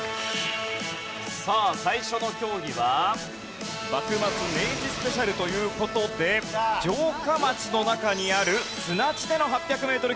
さあ幕末・明治スペシャルという事で城下町の中にある砂地での８００メートル